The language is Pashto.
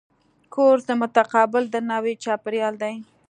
کورس د متقابل درناوي چاپېریال دی.